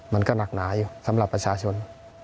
มันก็หนักหนาอยู่สำหรับประชาชน